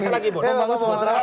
membangun sumatera barat